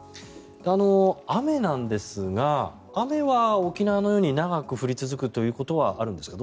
雨なんですが雨は沖縄のように長く降り続くということはあるんですか？